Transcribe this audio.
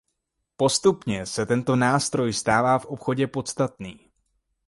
Postupně se tento nástroj stává v obchodě podstatný.